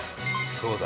そうだ。